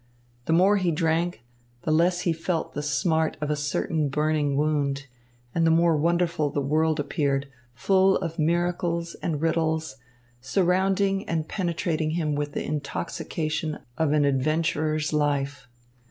The more he drank the less he felt the smart of a certain burning wound, and the more wonderful the world appeared, full of miracles and riddles, surrounding and penetrating him with the intoxication of an adventurer's life.